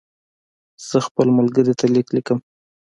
زه خپل ملګري ته لیک لیکم.